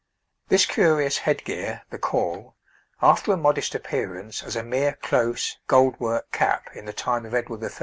This curious head gear, the caul, after a modest appearance, as a mere close, gold work cap, in the time of Edward III.